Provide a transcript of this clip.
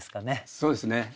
そうですね。